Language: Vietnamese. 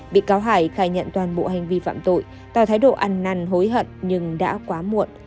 bị cáo hải khai nhận toàn bộ hành vi phạm tội tạo thái độ ăn năn hối hận nhưng đã quá muộn